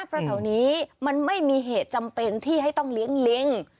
เพราะแถวนี้มันไม่มีเหตุจำเป็นที่ให้ต้องเลี้ยงลิง